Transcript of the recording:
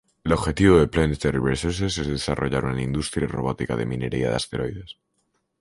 El objetivo de Planetary Resources es desarrollar una industria robótica de minería de asteroides.